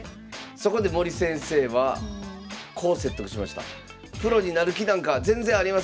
そこで森先生はこう説得しました。